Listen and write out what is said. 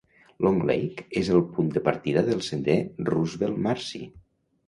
Long Lake és el punt de partida del sender Roosevelt-Marcy.